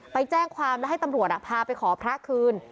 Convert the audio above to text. ไปแจ้งความแล้วให้ตำรวจพาไปขอพระคืน